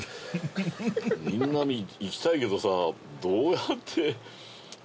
みんな行きたいけどさどうやって。